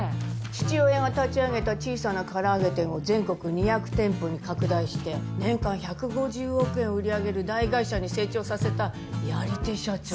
父親が立ち上げた小さなからあげ店を全国２００店舗に拡大して年間１５０億円を売り上げる大会社に成長させたやり手社長。